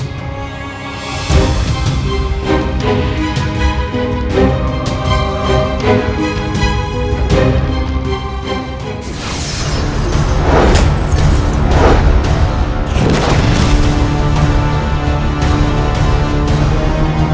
untuk memastikan apa benar